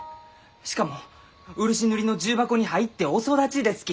しかも漆塗りの重箱に入ってお育ちですき！